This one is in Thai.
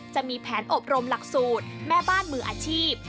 จะมีแผนอบรมหลักสูตรแม่บ้านมืออาชีพ